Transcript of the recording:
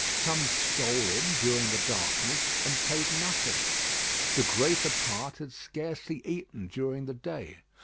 Some stole in during the darkness, and paid nothing. The greater part had scarcely eaten during the day.